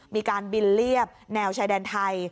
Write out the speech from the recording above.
มีการบินเรียบแนวชายแดนไทย